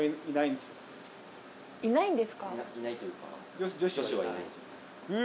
いないというか。